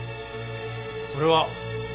それは。